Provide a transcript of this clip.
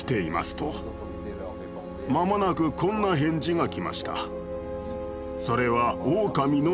間もなくこんな返事が来ました。